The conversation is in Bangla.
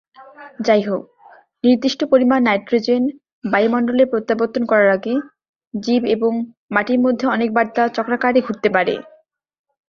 যাইহোক, নির্দিষ্ট পরিমাণ নাইট্রোজেন বায়ুমণ্ডলে প্রত্যাবর্তন করার আগে, জীব এবং মাটির মধ্যে অনেক বার তা চক্রাকারে ঘুরতে পারে।